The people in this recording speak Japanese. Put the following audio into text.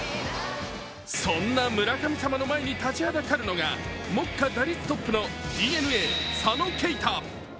そんな村神様の前に立ちはだかるのは目下、打率トップのＤｅＮＡ・佐野恵太。